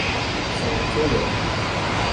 想玩桌遊！